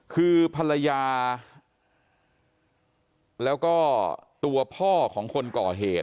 คือภรรยาแล้วก็ตัวพ่อของคนก่อเหตุ